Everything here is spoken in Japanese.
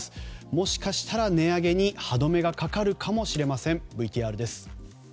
もしかしたら値上げに歯止めがかかるかもしれません。